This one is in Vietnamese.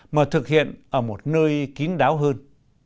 mà thực hiện ở một nơi kín đáo hơn